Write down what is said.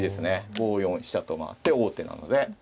５四飛車と回って王手なので。